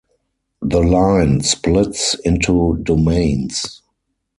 The line splits into domains.